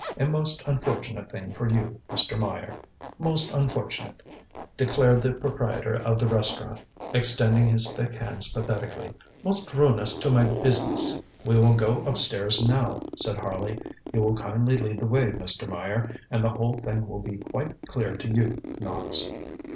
A most unfortunate thing for you, Mr. Meyer.ŌĆØ ŌĆ£Most unfortunate, ŌĆØ declared the proprietor of the restaurant, extending his thick hands pathetically. ŌĆ£Most ruinous to my business. ŌĆØ ŌĆ£We will go upstairs now, ŌĆØ said Harley. ŌĆ£You will kindly lead the way, Mr. Meyer, and the whole thing will be quite clear to you, Knox.